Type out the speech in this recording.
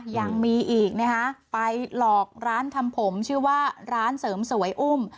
ยังมีอีกนะฮะไปหลอกร้านทำผมชื่อว่าร้านเสริมสวยอุ้ม